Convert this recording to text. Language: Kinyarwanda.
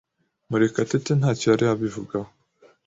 Murekatete ntacyo yari abivugaho.